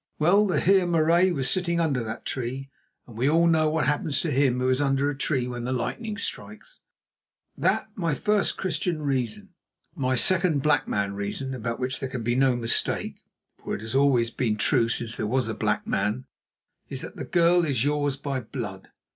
Well, the Heer Marais was sitting under that tree, and we all know what happens to him who is under a tree when the lightning strikes it. That my first Christian reason. My second black man reason, about which there can be no mistake, for it has always been true since there was a black man, is that the girl is yours by blood.